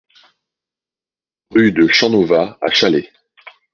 Rue de Champnovaz à Challex